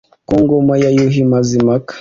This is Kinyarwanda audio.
ku ngoma ya yuhi mazimpaka